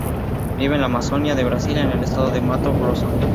Vive en la Amazonia de Brasil en el estado de Mato Grosso.